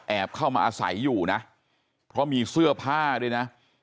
เข้ามาอาศัยอยู่นะเพราะมีเสื้อผ้าด้วยนะ